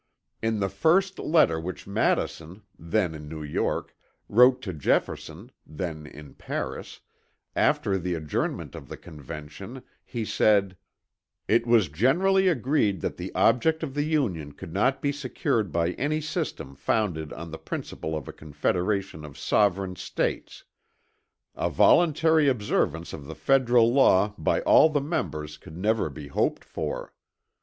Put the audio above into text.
In the first letter which Madison (then in New York) wrote to Jefferson (then in Paris) after the adjournment of the Convention, he said: "It was generally agreed that the object of the Union could not be secured by any system founded on the principle of a confederation of Sovereign States. A voluntary observance of the federal law by all the members could never be hoped for.